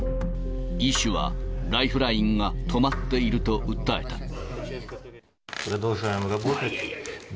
医師はライフラインが止まっていると訴えた。